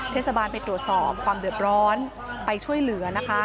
เทศบาลไปตรวจสอบความเดือดร้อนไปช่วยเหลือนะคะ